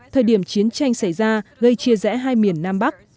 thời điểm chiến tranh xảy ra gây chia rẽ hai miền nam bắc